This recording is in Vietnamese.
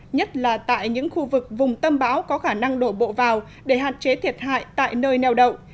nhất là tại những khu vực vùng tâm bão có khả năng đổ bộ vào để hạn chế thiệt hại tại nơi neo đậu